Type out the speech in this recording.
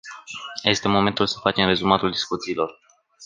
Este momentul să facem rezumatul discuțiilor.